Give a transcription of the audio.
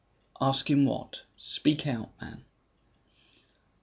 "Ask him what? Speak out, man?"